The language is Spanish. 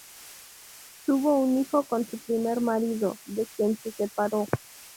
Tuvo un hijo con su primer marido, de quien se separó.